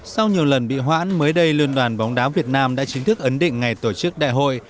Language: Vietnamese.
sau nhiều lần bị hoãn mới đây liên đoàn bóng đá việt nam đã chính thức ấn định ngày tổ chức đại hội